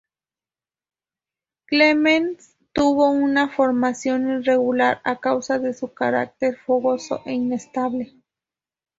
Clemens tuvo una formación irregular a causa de su carácter fogoso e inestable.